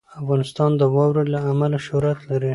افغانستان د واوره له امله شهرت لري.